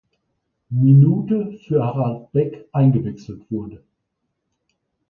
Minute für Harald Beck eingewechselt wurde.